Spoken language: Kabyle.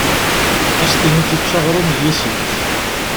Ad s-tiniḍ yečča aɣrum n yisiḍ!